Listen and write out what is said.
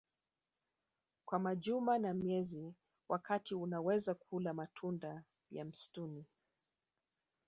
kwa majuma na miezi wakati unaweza kula matunda ya msituni